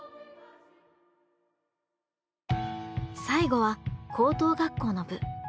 最後は高等学校の部。